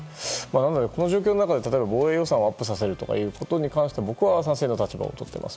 なので、この状況の中で防衛予算をアップさせることに関して僕は賛成の立場をとっています。